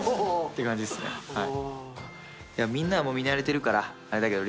みんなはもう見慣れてるからあれだけど。